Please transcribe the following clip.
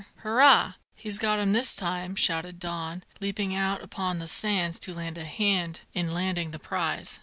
"Hurrah! he's got him this time," shouted Don, leaping out upon the sands to lend a hand in landing the prize.